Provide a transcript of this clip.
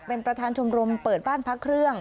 เป็นประธานชมรมเปิดบ้านพักเครื่อง